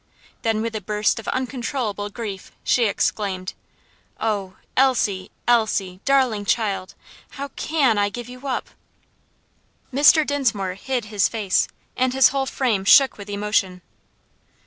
Then, with a burst of uncontrollable grief, she exclaimed: "Oh, Elsie! Elsie! darling child! how can I give you up?" Mr. Dinsmore hid his face, and his whole frame shook with emotion.